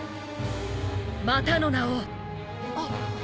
またの名を。